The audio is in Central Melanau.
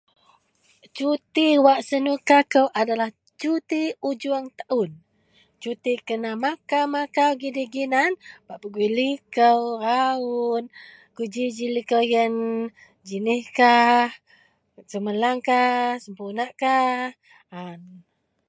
Suti wak senuka kou adalah suti ujong taon. Suti kena makau-makau gidi-ginan bak pegui liko rawon kujiji liko iyen jinih kah, cermelang kah sempurna kah aan.